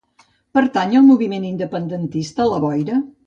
Pertany al moviment independentista la Boira?